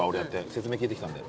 説明聞いてきたんで。